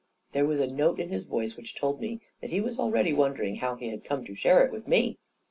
1 There was a note in his voice which told me that he was already wondering how he had come to share it with me